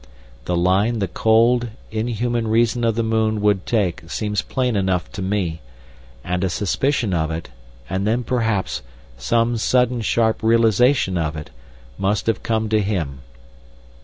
The line the cold, inhuman reason of the moon would take seems plain enough to me, and a suspicion of it, and then perhaps some sudden sharp realisation of it, must have come to him.